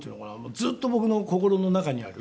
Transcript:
ずっと僕の心の中にある。